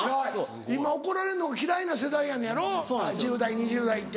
今怒られるのが嫌いな世代やのやろ１０代２０代って。